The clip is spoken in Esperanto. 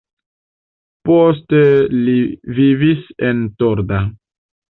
Poste li vivis en Torda.